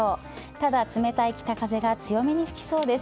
ただ、冷たい北風が強めに吹きそうです。